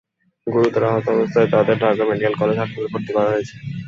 গুরুতর আহত অবস্থায় তাঁদের ঢাকা মেডিকেল কলেজ হাসপাতালে ভর্তি করা হয়েছে।